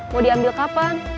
mau diambil kapan